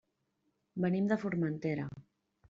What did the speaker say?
Venim de Formentera.